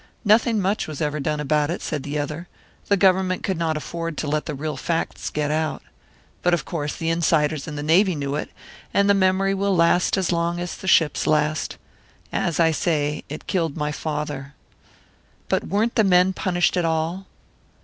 "Nothing much was ever done about it," said the other. "The Government could not afford to let the real facts get out. But, of course, the insiders in the Navy knew it, and the memory will last as long as the ships last. As I say, it killed my father." "But weren't the men punished at all?"